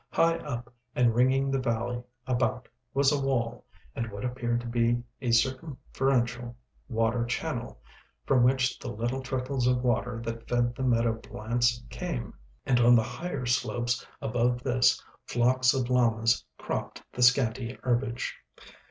High up and ringing the valley about was a wall, and what appeared to be a circumferential water channel, from which the little trickles of water that fed the meadow plants came, and on the higher slopes above this flocks of llamas cropped the scanty herbage.